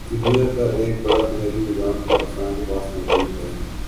دنیا کا ایک بڑا نہری نظام بھی پاکستان کے پاس موجود ہے